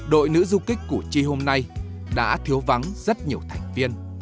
đội nữ du kích củ chi hôm nay đã thiếu vắng rất nhiều thành viên